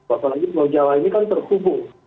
apalagi pulau jawa ini kan terhubung